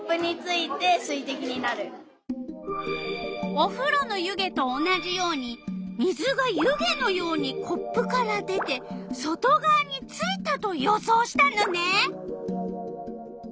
おふろの湯気と同じように水が湯気のようにコップから出て外がわについたと予想したのね！